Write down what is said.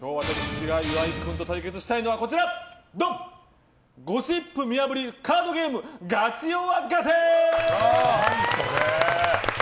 岩井さんと対決したいのはこちらゴシップ見破りカードゲームガチｏｒガセ！